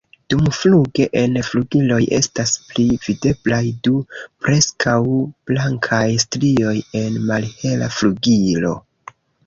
Dumfluge en flugiloj estas pli videblaj du preskaŭ blankaj strioj en malhela flugilo.